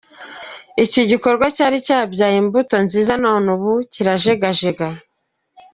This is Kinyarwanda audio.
Iki gikorwa cyari cyabyaye imbuto nziza none ubu kirajegajega.